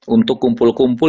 untuk kumpul kumpul